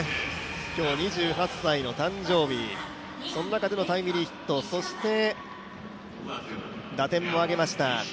今日、２８歳の誕生日、その中でのタイムリーヒット、そして打点も挙げました。